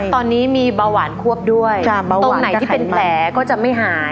ตอนนี้มีเบาหวานควบด้วยตรงไหนที่เป็นแผลก็จะไม่หาย